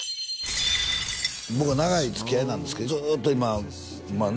僕は長いつきあいなんですけどずっと今まあね